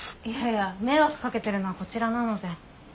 いやいや迷惑かけてるのはこちらなので。